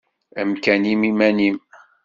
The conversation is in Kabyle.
Amkan-im iman-im.